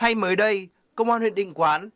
hay mới đây công an huyết định quán